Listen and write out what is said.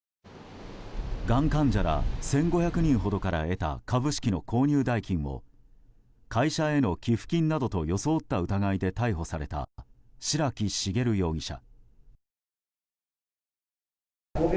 がん患者ら１５００人ほどから得た株式の購入代金を会社への寄付金などと装った疑いで逮捕された白木茂容疑者。